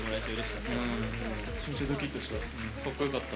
かっこよかった。